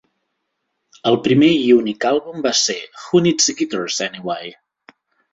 El primer i únic àlbum va ser Who Needs Guitars Anyway?